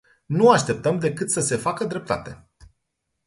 Nu așteptăm decât să se facă dreptate.